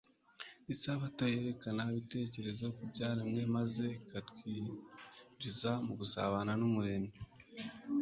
Isabato yerekeza ibitekerezo ku byaremwe maze ikatwinjiza mu gusabana n’Umuremyi.